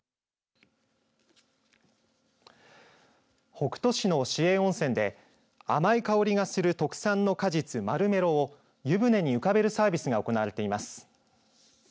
北斗市の市営温泉で甘い香りがする特産の果実マルメロを湯船に浮かべるサービスが行われています。